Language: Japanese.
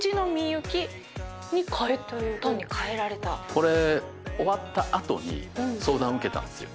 これ終わった後に相談を受けたんですよ。